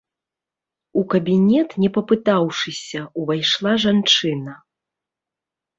У кабінет, не папытаўшыся, увайшла жанчына.